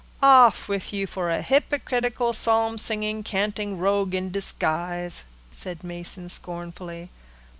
"Off with you, for a hypocritical, psalm singing, canting rogue in disguise," said Mason scornfully.